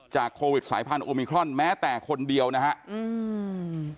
จากโควิดสายพันธุ์โอมิครอนแม้แต่คนเดียวนะครับ